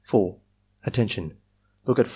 "Attention! Look at 4.